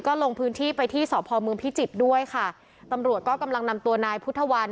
ก็ลงพื้นที่ไปที่สพเมืองพิจิตรด้วยค่ะตำรวจก็กำลังนำตัวนายพุทธวัน